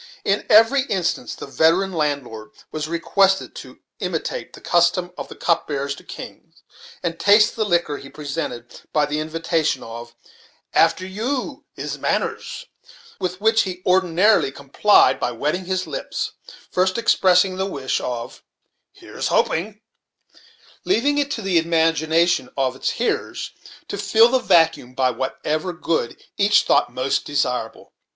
In every instance the veteran landlord was requested to imitate the custom of the cupbearers to kings, and taste the liquor he presented, by the invitation of "After you is manners," with which request he ordinarily complied by wetting his lips, first expressing the wish of "Here's hoping," leaving it to the imagination of the hearers to fill the vacuum by whatever good each thought most desirable.